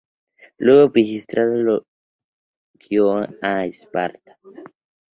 Luego Pisístrato lo guió a Esparta.